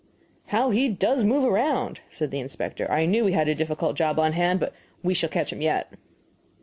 "How he does move around!" said the inspector "I knew we had a difficult job on hand, but we shall catch him yet."